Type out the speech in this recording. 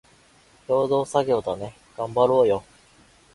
共同作業だね、がんばろーよ